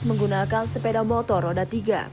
menggunakan sepeda motor roda tiga